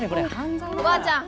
おばあちゃん